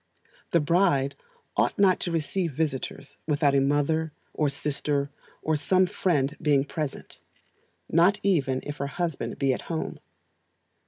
The bride ought not to receive visitors without a mother, or sister, or some friend being present, not even if her husband be at home.